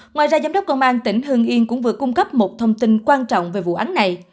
ngoài ra giám đốc công an tỉnh hương yên cũng vừa cung cấp một thông tin quan trọng về vụ án này